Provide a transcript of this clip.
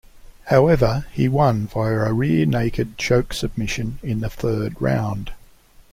However, he won via rear-naked choke submission in the third round.